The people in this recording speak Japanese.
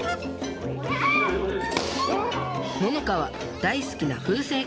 ののかは大好きな風船。